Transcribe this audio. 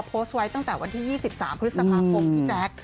โพสต์ไว้ตั้งแต่วันที่๒๓พฤษภาคมพี่แจ๊ค